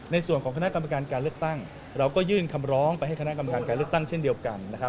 ในส่วนของคณะกรรมการการเลือกตั้งเราก็ยื่นคำร้องไปให้คณะกรรมการการเลือกตั้งเช่นเดียวกันนะครับ